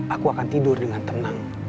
aku akan tidur dengan tenang